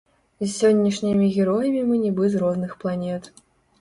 З сённяшнімі героямі мы нібы з розных планет.